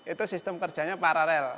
itu sistem kerjanya paralel